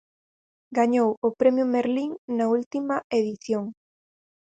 Gañou o premio Merlín na última edición.